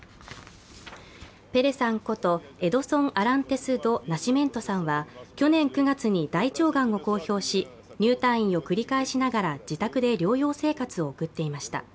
ペレさんこと、エドソン・アランテス・ド・ナシメントさんは去年９月に大腸がんを公表し、入退院を繰り返しながら自宅で療養生活を送っていました。